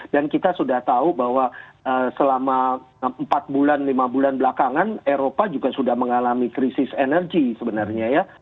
dan kita sudah tahu bahwa selama empat bulan lima bulan belakangan eropa juga sudah mengalami krisis energi sebenarnya ya